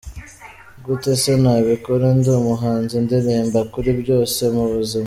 Gute se ntabikora? Ndi umuhanzi, ndirimba kuri byose mu buzima.